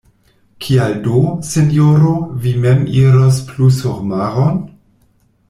Kial do, sinjoro, vi mem iros plu surmaron?